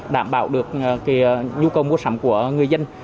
đảm bảo được nhu cầu mua sắm của người dân